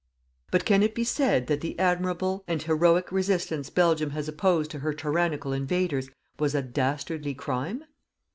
But can it be said that the admirable and heroic resistance Belgium has opposed to her tyrannical invaders was a dastardly crime?